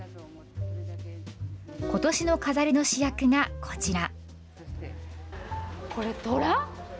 今年の飾りの主役が、こちら。